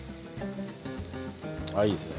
ああ、いいですね。